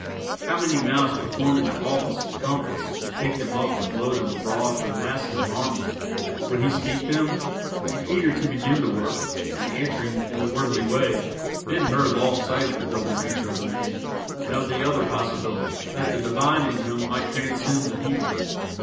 How many mouths performing the office of trumpets would take them up and blow them abroad for the massing of armies! Would he speak them? And eager to begin the work, and answering in the worldly way, Ben Hur lost sight of the double nature of the man, and of the other possibility, that the divine in him might transcend the human.